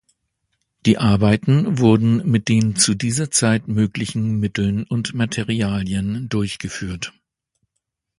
Die Arbeiten wurden mit den zu dieser Zeit möglichen Mitteln und Materialien durchgeführt.